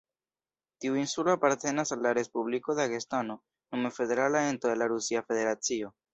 Tiu insulo apartenas al la Respubliko Dagestano, nome federala ento de la Rusia Federacio.